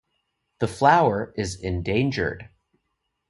The flower is endangered.